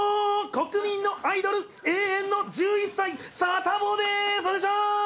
国民のアイドル、永遠の１１歳、サタボーです。